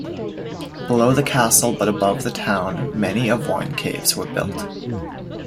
Below the castle, but above the town, many of wine caves were built.